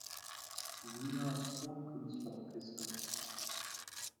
Wiener Tonkünstlerorchester".